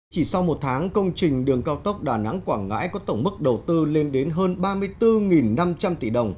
chỉ sau một tháng công trình đường cao tốc đà nẵng quảng ngãi có tổng mức đầu tư lên đến hơn ba mươi bốn năm trăm linh tỷ đồng